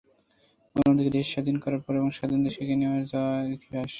অন্যদিকে দেশ স্বাধীন করার এবং স্বাধীন দেশকে এগিয়ে নিয়ে যাওয়ার ইতিহাস।